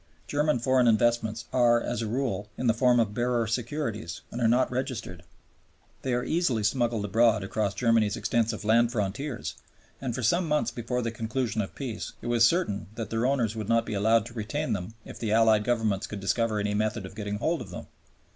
German foreign investments are as a rule in the form of bearer securities and are not registered. They are easily smuggled abroad across Germany's extensive land frontiers, and for some months before the conclusion of peace it was certain that their owners would not be allowed to retain them if the Allied Governments could discover any method of getting hold of them.